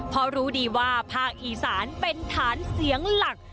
เพราะรู้ดีว่าภาคอีสานเป็นฐานเสียงหลัก